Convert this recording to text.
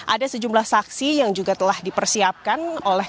ada sejumlah saksi yang juga telah dipersiapkan oleh